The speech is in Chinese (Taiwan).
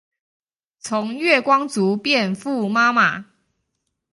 從月光族變富媽媽